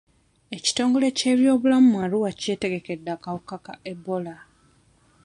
Ekitongole ky'ebyobulamu mu Arua kyetegekedde akawuka ka Ebola.